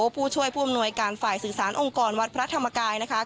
ผู้ช่วยผู้อำนวยการฝ่ายสื่อสารองค์กรวัดพระธรรมกายนะคะ